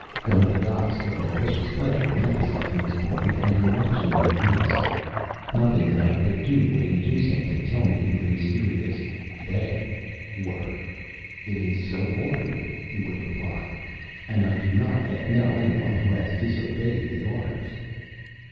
] Gunga Dass took a malicious pleasure in emphasizing this point and in watching me wince. Nothing that I could do would induce him to tell me who the mysterious "They" were. "It is so ordered," he would reply, "and I do not yet know any one who has disobeyed the orders."